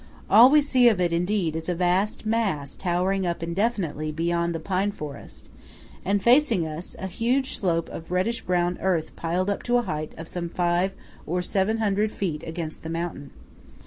All we see of it, indeed, is a vast mass towering up indefinitely beyond the pine forest, and, facing us, a huge slope of reddish brown earth piled up to a height of some five or seven hundred feet against the mountain side.